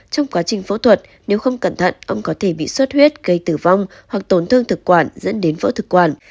trong quá trình phẫu thuật nếu không cẩn thận ông có thể bị suất huyết gây tử vong hoặc tổn thương thực quản dẫn đến vỡ thực quản